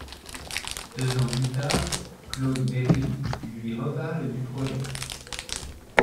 Deux ans plus tard, Claude Berri lui reparle du projet.